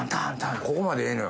ここまでええのよ。